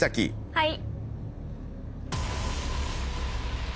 はい。